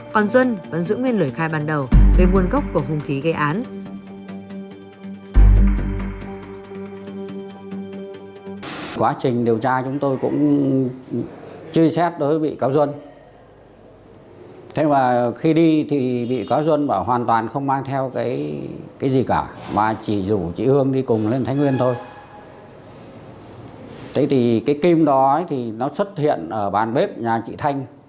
còn duân vẫn giữ nguyên lời khai ban đầu về nguồn gốc của vùng khí gây án